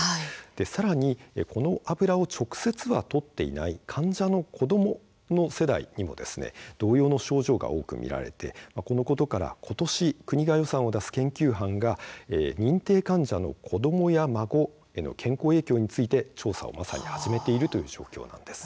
さらにこの油を直接はとっていない患者の子どもの世代にも同様の症状が見られてこのことからことし国が予算を出す研究班が認定患者の子どもや孫への健康影響についてもまさに調査を始めている状況なんです。